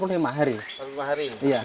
empat puluh lima hari dipindah ke sini ya